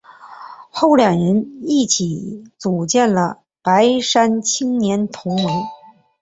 后两人一起组建了白山青年同盟。